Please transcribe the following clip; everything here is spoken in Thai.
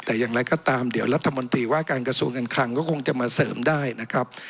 แต่อย่างไรก็ตามเดี๋ยวรัฐมนตรีว่าการกระทรวงการคลังก็คงจะมาเสริมได้นะครับ